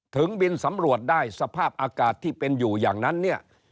บินสำรวจได้สภาพอากาศที่เป็นอยู่อย่างนั้นเนี่ย